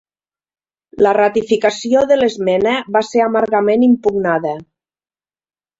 La ratificació de l'esmena va ser amargament impugnada.